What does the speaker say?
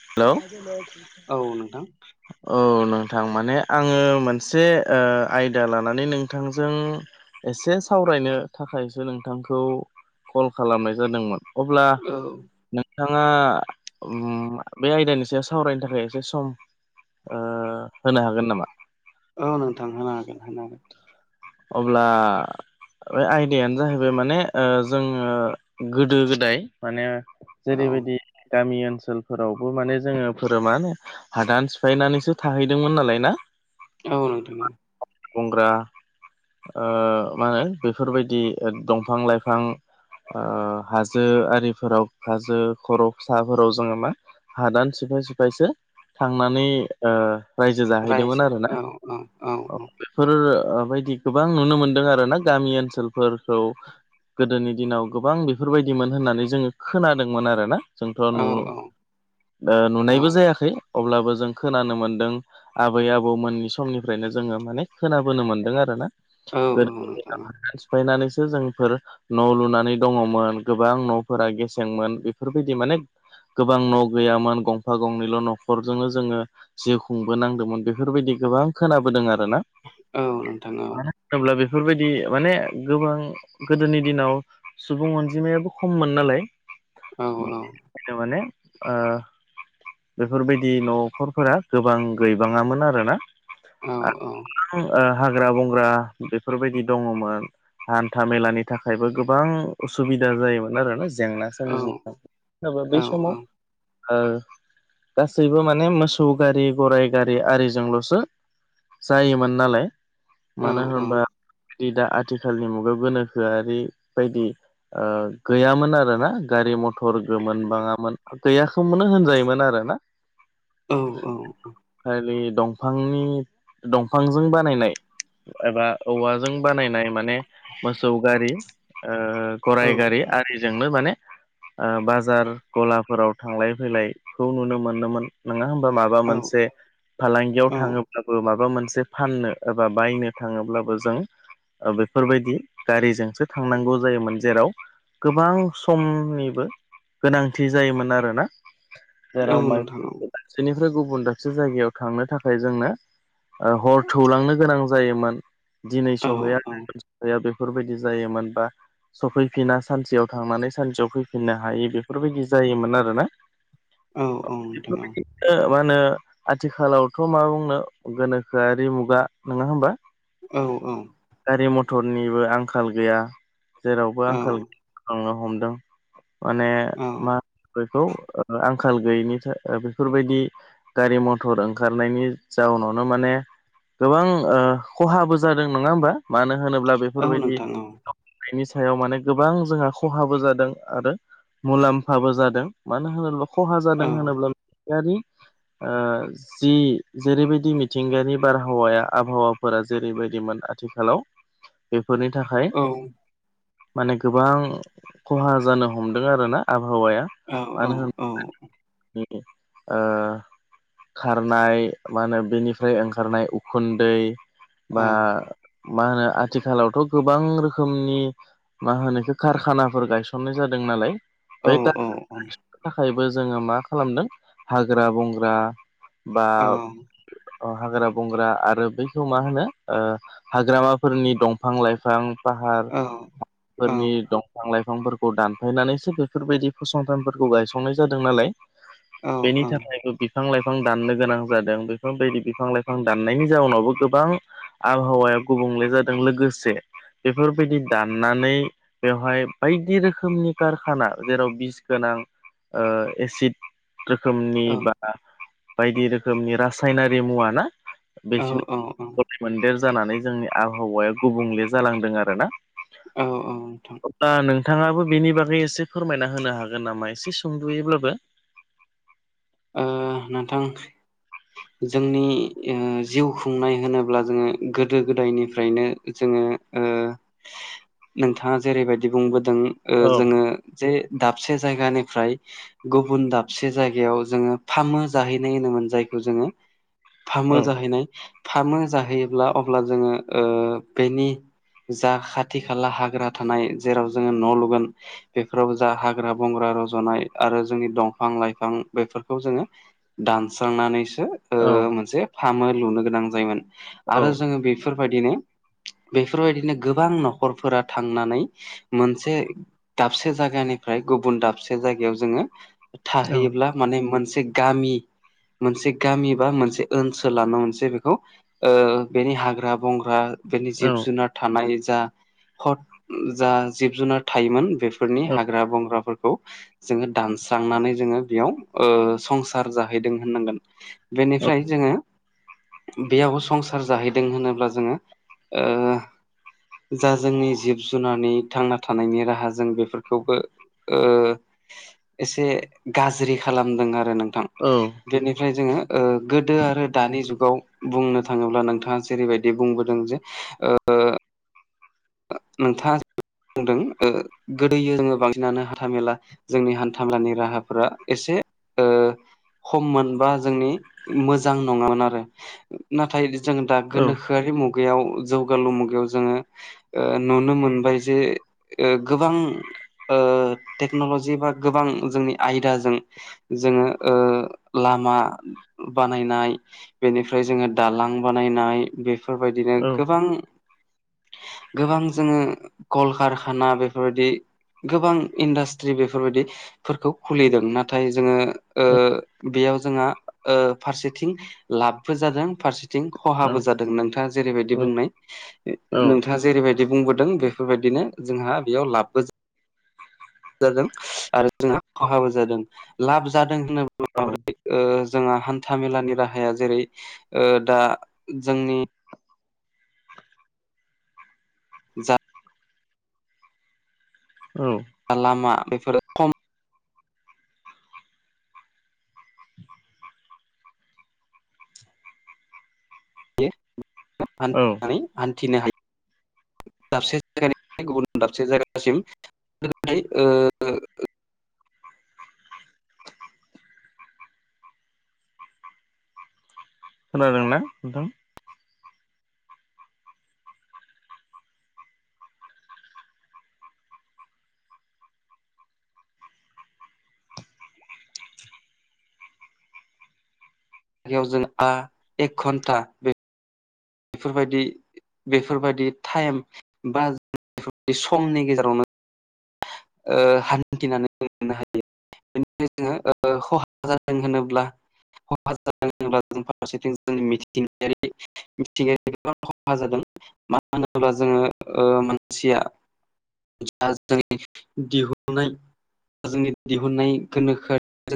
Hello औ नोंथां औ नोंथां माने आङो मोनसे ओ आयदा लानानै नोंथांजों एसे सावरायनो थाखायसो नोंथांखौ कल खालामनाय जादोंमोन। अब्ला औ नोंथाङा उम बे आयदानि सायाव सावरायनो थाखाय एसे सम ओ होनो हागोन नामा? औ नोंथां होनो हागोन होनो हागोन। अब्ला बे आयदायानो जाहैबाय माने जोङो गोदो गोदाय माने जेरैबायदि गामि ओनसोलफोरावबो माने जोङो फोरमानो हादान सिफायनानैसो थाहैदोंमोन नालाय ना? औ नोंथां औ गंग्रा ओ मा होनो बेफोरबायदि दंफां लाइफां हाजो आरिफोराव हाजो खर' फिसाफोराव जोङो मा हादान सिफाय सिफायसो थांनानै रायजो रायजो जाहैदोंमोन आरोना औ औ औ बेफोर बायदि गोबां नुनो मोनदों आरो ना गामि ओनसोलफोरखौ गोदोनि दिनाव गोबां बेफोरबायदिमोन होननानै जोङो खोनादोंमोन आरोना जोंथ' औ नु ओ औ नुनायबो जायाखै अब्लाबो जों खोनानो मोनदों। आबै आबौ मोननि समनिफ्रायनो जोङो माने खोनाबोनो मोनदों आरो ना। औ औ नोंथां फैनानैसो जोंफोर न' लुनानै दङमोन गोबां न'फोरा गेसेंमोन बेफोरबायदि माने गोबां न' गैयामोन गंफा गंनैल' न'खरजोंनो जोङो जिउ खुंबोनांदोंमोन बेफोरबायदि गोबां खोनाबोदों आरोना औ नोंथाङा मानो होनोब्ला बेफोरबायदि माने गोबां गोदोनि दिनाव सुबुं अनजिमायाबो खममोन नालाय औ औ माथ' माने आ बेफोरबायदि न'खरफोरा गोबां गैबाङामोन आरोना। औ औ ओ हाग्रा बंग्रा बेफोरबायदि दङमोन। हान्था मेलानि थाखायबो गोबां उसुबिदा जायोमोन आरोना जेंना औ सोमजि होनाबा बै औ समाव ओ गासैबो माने मोसौ गारि गराइ गारि आरिजोंल'सो जायोमोन नालाय औ मानो होनोबा दा आथिखालनि मुगायाव गोनोखोआरि बायदि ओ गैयामोन आरोना गारि मथर गो मोनबाङामोन। गैयखौमोननो होनजायोमोन आरो ना। औ औ खालि दंफांनि दंफांजों बानायनाय एबा औवाजों बानायनाय माने मोसौ गारि औ गराय गारि आरिजोंनो माने ओ बाजार गलाफोराव थांलाय फैलायखौ नुनो मोनोमोन नोङा होम बा माबा मोनसे औ फालांगियाव थाङोबबो माबा मोनसे फननो एबा बायनो थाङोब्लाबो जों ओ बेफोरबायदि गारिजोंसो थांनांगौ जायोमोन जेराव गोबां समनिबो गोनांथि जायोमोन आरोना औ जेराव मा नोंथां औ औ दाबसेनिफ्राय गुबुन दाबसे जायगायाव थांनो थाखाय जोंनो हर थौलांनो गोनां जायोमोन दिनै सहैया सहैया बेफोरबायदि जायोमोन बा सफैफिना सानसेयाव थांनानै सानसेयाव फैफिननो हायि बेफोरबायदि जायोमोन आरोना औ औ नोंथां औ ओ मा होनो आथिखालावथ' मा बुंनो गोनोखोआरि मुगा नोङा होमबा औ औ गारि मथरनिबो आंखाल गैया जेरावबो आंखाल बांनो हमदों माने औ मा होनगोन बैखौ आंखाल गैयिनि था बेफोरबायदि गारि मटर ओंखारनायनि जाउनावनो माने गोबां ओ खहाबो जादों नङा ओमबा मानो होनोब्ला नोंथां बेफोरबायदि बैनि सायाव माने गोबां जोंहा खहाबो जादों आरो मुलाम्फाबो जादों मानो होनोब्ला खहा औ जादों औ होनोब्ला गारि ओ जि जेरैबायदि मिथिंगायारि बार हावाया आबहावाफोरा जेरैबायदिमोन आथिखालाव बेफोरनि थाखाय माने गोबां खहा जानो हमदों आरोना आबहावाया मानो होन उम ओ खारनाय मा होनो बेनिफ्राय ओंखारनाय उ खुन्दै बा मा होनो आथिखालावथ' गोबां रोखोमनि मा होनो इखो कारखानाफोर गायसननाय जादों नालाय। बे [unintelligible] थाखायबो जोङो मा खालामदों हाग्रा बंग्रा बा ओ हाग्रा बंग्रा आरो बेखौ मा होनो ओ हाग्रामाफोरनि दंफां लाइफां फाहार औ औ फोरनि औ दंफां लाइफांफोरखौ दानफायनानैसो बेफोरबायदि फसंथानफोरखौ गायसंनाय जादों नालाय औ बेनि थाखायबो बिफां लाइफां दाननो गोनां जादों बेफोरबायदि बिफां लाइफां दान नायनि जाउनावबो गोबां आबहावाया गुबुंले जादों लोगोसे बेफोरबायदि दाननानै बेवहाय बायदि रोखोमनि कारखाना जेराव बिस गोनां ओ एसिड रोखोमनि औ बा बायदि रोखोमनि रासायनारि मुवा ना बेसे औ औ गलाय मोनदेर जानानै जोंनि आबहावाया गुबुंले जालांदों आरोना? औ औ नोंथां दा नोंथाङाबो बेनि बागै एसे फोरमायना होनो हागोन नामा एसे सुंदुयैब्लाबो ओ नोंथां [inaudible] जोंनि ओ जिउ खुंनाय होनोब्ला जोङो गोदो गोदायनिफ्रायनो जोङो ओ नोंथाङा जेरैबायदि बुंबोदों ओ औ जोङो जे दाबसे जायगानिफ्राय गुबुन दाबसे जायगायाव जोङो फामो जाहैनाय होनोमोन जायखौ जोङो औ फामो जाहैनाय फामो जाहैयोब्ला अब्ला जोङो ओ बेनि जा खाथि खाला हाग्रा थानाय जेराव जोङो न' लुगोन बेफोरावबो जा हाग्रा बंग्रा रज'नाय आरो जोंनि दंफां लाइफां बेफोरखौ जोङो दानस्रांनानैसो ओ औ मोनसे फामो लुनो गोनां जायोमोन। औ आरो जोङो बेफोरबायदिनो बेफोरबायदिनो गोबां नख'रफोरा थांनानै मोनसे दाबसे जायगानिफ्राय गुबुन दाबसे जायगायाव जोङो औ थाहैयोब्ला माने मोनसे गामि मोनसे गामि बा मोनसे ओनसोलानो मोनसे बेखौ ओ बेनि हाग्रा बंग्रा बेनि औ जिब जुनार थानाय जा हद जा जिब जुनार थायोमोन। बेफोरनि औ हाग्रा बंग्राफोरखौ जोङो दानस्रांनानै जोङो बेयाव ओ संसार जाहैदों होननांगोन औ औ बेनिफ्राय जोङो बेयाव संसार जाहैदों होनोब्ला जोङो ओ जा जोंनि जिब जुनारनि थांना थानायनि राहा जों बेफोरखौबो ओ एसे गाज्रि खालामदों आरो नोंथां। औ बेनिफ्राय जोङो गोदो आरो दानि जुगाव बुंनो थाङोब्ला नोंथाङा जेरैबायदि बुंबोदों जे ओ नोंथाङा बुंदों गोदो जोङो बांसिनानो हाथा मेला जोंनि हान्था मेलानि राहाफोरा एसे ओ खम मोनबा जोंनि मोजां नङामोन आरो। नाथाय जोङो दा औ गोनोखोआरि मुगायाव जौगालु मुगायाव जोङो नुनो मोनबाय जे ओ गोबां टेक्न'लजि बा गोबां जोंनि आयदाजों जोङो ओ लामा बानायनाय बेनिफ्राय जोङो दालां बानायनाय बे बेफोरबायदिनो गोबां गोबां जोङो कलकारखाना बेफोरबायदि गोबां इन्डास्ट्रि बेफोरबायदि फोरखौ खुलिदों नाथाय जोङो ओ बेयाव जोंहा फारसेथिं लाबबो जादों फारसेथिं खहाबो जादों नोंथाङा जेरैबायदि बुंनाय औ नों जेरैबायदि बुंबोदों बेफोरबायदिनो जोंहा बेयाव लाबबो जादों आरो जोंहा खहाबो जादों लाब जादों होनोब्ला औ माब्रै ओ जोंहा हान्था मेलानि राहाया जेरै ओ दा जोंनि जा औ लामा बेफोर औ [unintelligible] [unintelligible] ओ खोनादोंना नोंथां? बेयाव जोङो एक घन्टा बे बेफोरबादि बेफोरबायदि टाइम बा समनि गेजेरावनो ओ हान्थिनानै [unintelligible] खहा जादों होनोब्ला [unintelligible] [unintelligible] [unintelligible] मानो होनोब्ला जोङो मानसिया [unintelligible] दिहुननाय गोनोखो